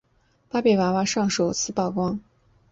芭比娃娃上首次曝光。